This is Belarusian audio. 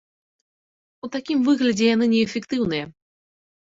У такім выглядзе яны неэфектыўныя.